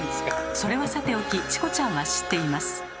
それはさておきチコちゃんは知っています。